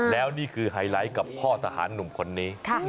แล้วนี่คือไฮไลท์กับพ่อทหารหนุ่มคนนี้